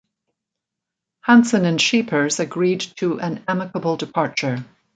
Hansen and Scheepers agreed to an amicable departure.